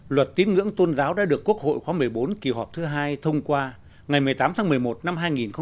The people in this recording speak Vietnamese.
luật tiếng ngưỡng tôn giáo đã được quốc hội khóa một mươi bốn kỳ họp thứ hai thông qua ngày một mươi tám tháng một mươi một năm hai nghìn một mươi ba